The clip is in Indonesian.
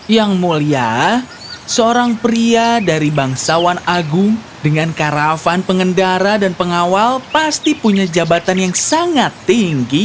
yang mulia seorang pria dari bangsawan agung dengan karavan pengendara dan pengawal pasti punya jabatan yang sangat tinggi